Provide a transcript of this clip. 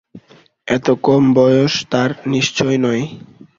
এত কম বয়স তার নিশ্চয় নয়।